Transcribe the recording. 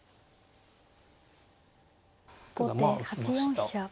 後手８四飛車。